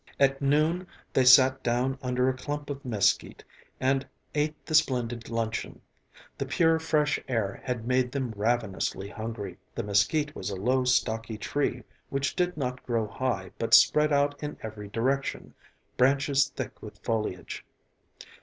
At noon they sat down under a clump of mesquite and ate the splendid luncheon. The pure fresh air had made them ravenously hungry. The mesquite was a low, stocky tree which did not grow high but spread out in every direction, branches thick with foliage.